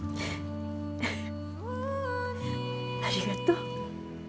ありがとう。